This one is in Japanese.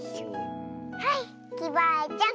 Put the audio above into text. はいきバアちゃん。